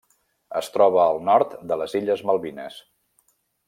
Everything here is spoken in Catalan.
Es troba al nord de les Illes Malvines.